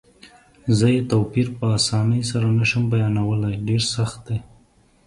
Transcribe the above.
زه یې توپیر په اسانۍ سره نه شم بیانولای، ډېر سخت دی.